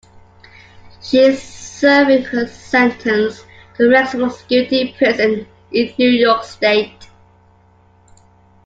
She is serving her sentence in a maximum security prison in New York State.